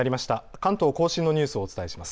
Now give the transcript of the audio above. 関東甲信のニュースをお伝えします。